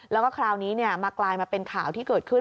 แล้วก็คราวนี้มากลายมาเป็นข่าวที่เกิดขึ้น